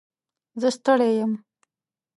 زه ستړی یم.